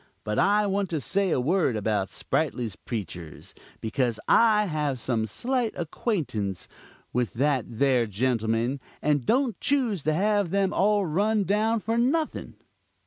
But I want to say a word about Sprightly's preachers, because I have some slight acquaintance with that there gentleman, and don't choose to have them all run down for nothing.